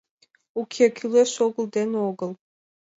Уке, кӱлеш-огыл дене огыл.